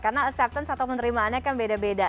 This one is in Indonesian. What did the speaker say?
karena acceptance atau penerimaannya kan beda beda